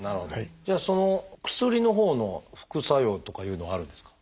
その薬のほうの副作用とかいうのはあるんですか？